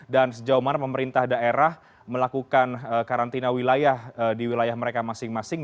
dan sejauh mana pemerintah daerah melakukan karantina wilayah di wilayah mereka masing masing